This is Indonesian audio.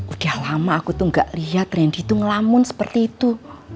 udah lama aku tuh gak liat randy tuh ngelamun seperti itu